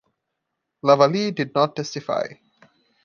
Lavallee did not testify.